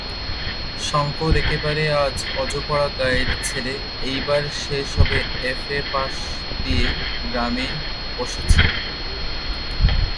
শঙ্কর একেবারে অজ পাড়াগাঁয়ের ছেলে। এইবার সে সবে এফ্.এ. পাশ দিয়ে গ্রামে বসেচে।